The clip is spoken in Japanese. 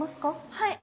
はい。